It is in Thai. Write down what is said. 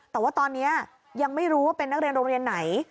แต่ว่าตอนนี้ยังไม่รู้ว่าเป็นนักเรียนโรงเรียนไหน